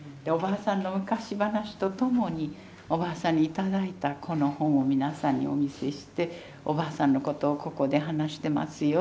おばあさんの昔話とともにおばあさんに頂いたこの本を皆さんにお見せしておばあさんのことをここで話してます